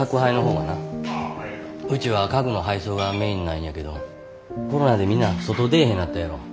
うちは家具の配送がメインなんやけどコロナでみんな外出ぇへんなったやろ。